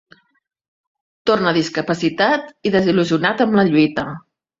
Torna discapacitat i desil·lusionat amb la lluita.